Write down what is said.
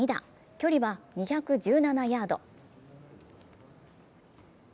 距離は２１７ヤード。